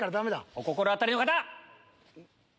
お心当たりの方！